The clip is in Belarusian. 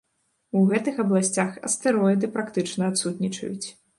У гэтых абласцях астэроіды практычна адсутнічаюць.